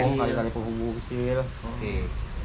ada dari puhugu kecil